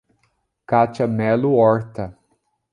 Kátia Melo Horta